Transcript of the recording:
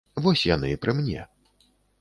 Вось яны, пры мне.